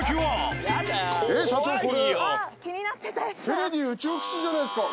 ケネディー宇宙基地じゃないですか。